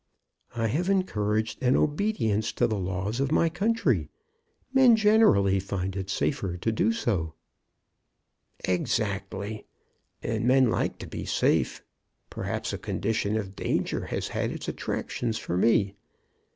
"I have encouraged an obedience to the laws of my country. Men generally find it safer to do so." "Exactly, and men like to be safe. Perhaps a condition of danger has had its attractions for me.